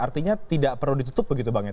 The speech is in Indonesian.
artinya tidak perlu ditutup begitu bang ya